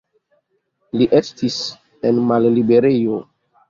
Li estis en malliberejo.